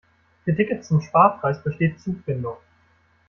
Für Tickets zum Sparpreis besteht Zugbindung.